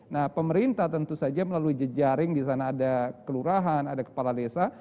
nah pemerintah tentu saja melalui jejaring di sana ada kelurahan ada kepala desa